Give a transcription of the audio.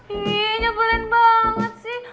ih nyebelin banget sih